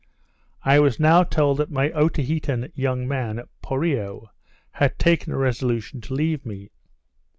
I was now told that my Otaheitean young man, Poreo, had taken a resolution to leave me.